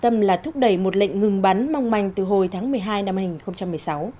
tâm là thúc đẩy một lệnh ngừng bắn mong manh từ hồi tháng một mươi hai năm hai nghìn một mươi sáu